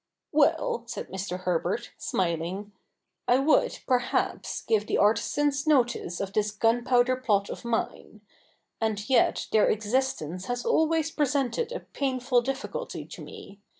' Well,' said Mr. Herbert, smiling, ' I would, perhaps give the artisans notice of this gunpowder plot of mine. And yet their existence has always presented a painful difficulty to me.